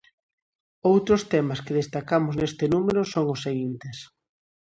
Outros temas que destacamos neste número son os seguintes: